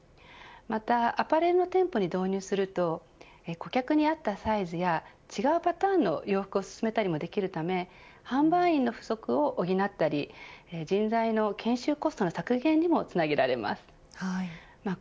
またアパレルの店舗に導入すると顧客に合ったサイズや違うパターンの洋服を薦めたりもできるため販売員の不足を補ったり人材の研修コストの削減にもつなげられます。